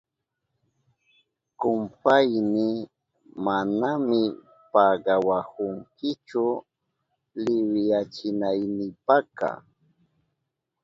Kumpayni, manami pagawahunkichu liwiyachinaynipaka.